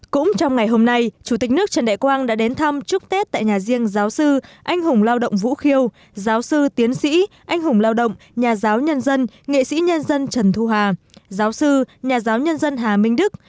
cũng trong ngày hôm nay chủ tịch nước trần đại quang đã đến thăm chúc tết tại nhà riêng giáo sư anh hùng lao động vũ khiêu giáo sư tiến sĩ anh hùng lao động nhà giáo nhân dân nghệ sĩ nhân dân trần thu hà giáo sư nhà giáo nhân dân hà minh đức